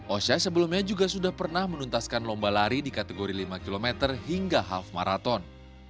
osha sebelumnya juga sudah pernah menuntaskan lomba lari di kategori lima km hingga half marathon